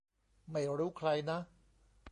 ไม่รู้ใครนะ